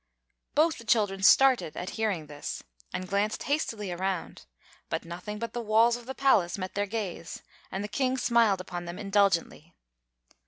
Both the children started at hearing this, and glanced hastily around; but nothing but the walls of the palace met their gaze, and the King smiled upon them indulgently.